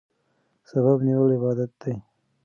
سبب نیول عبادت دی.